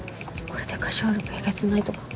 「これで歌唱力えげつないとか」